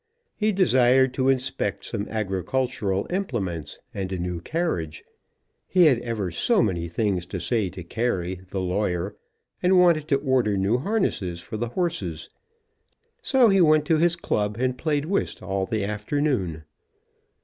He desired to inspect some agricultural implements, and a new carriage, he had ever so many things to say to Carey, the lawyer, and wanted to order new harnesses for the horses. So he went to his club, and played whist all the afternoon.